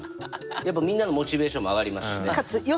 やっぱみんなのモチベーションも上がりますしね。